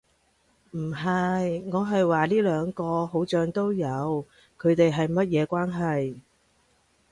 唔係。我係話呢兩個好像都有，佢地係乜嘢關係